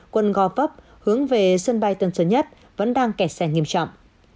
quần gò vấp hướng về sân bay tần sớm nhất vẫn đang kẹt xe nghiêm trọng